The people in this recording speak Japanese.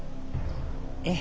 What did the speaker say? ええ。